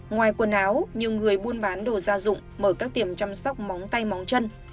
ngoài quần áo nhiều người buôn bán đồ gia dụng mở các tiệm chăm sóc móng tay móng chân